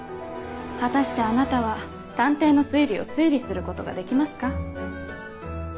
果たしてあなたは探偵の推理を推理することができますか？